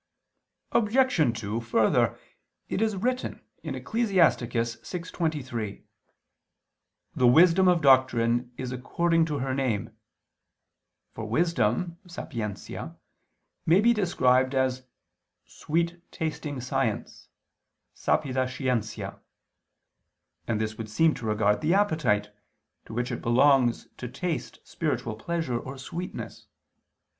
Obj. 2: Further, it is written (Ecclus. 6:23): "The wisdom of doctrine is according to her name," for wisdom (sapientia) may be described as "sweet tasting science (sapida scientia)," and this would seem to regard the appetite, to which it belongs to taste spiritual pleasure or sweetness.